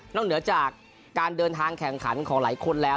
เหนือจากการเดินทางแข่งขันของหลายคนแล้ว